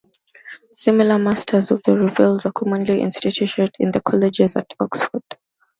Similar masters of the revels were commonly instituted in the colleges at Oxford.